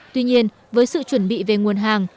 tuy nhiên với sự chuẩn bị về nguồn hàng